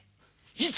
いつ！？